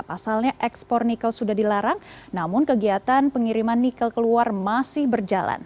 pasalnya ekspor nikel sudah dilarang namun kegiatan pengiriman nikel keluar masih berjalan